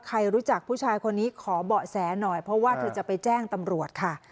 ใครรู้จักผู้ชายคนนี้ขอเบาะแสหน่อยเพราะว่าเธอจะไปแจ้งตำรวจค่ะ